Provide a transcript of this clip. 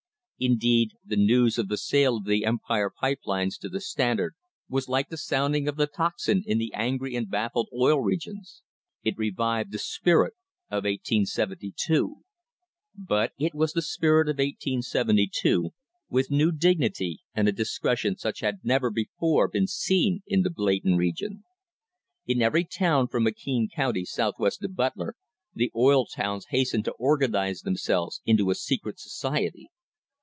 Indeed, the news of the sale of the Empire pipe lines to the Standard was like the sounding of the tocsin in the angry and baffled Oil Regions. It revived the spirit of 1872. But it was the spirit of 1872 with new dignity and a discretion such as had never been before seen in the blatant region. In every town from McKean County southwest to Butler the oil towns hastened to organise themselves into a secret society.